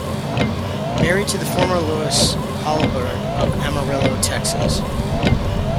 Married to the former Lois Hollabaugh of Amarillo, Texas.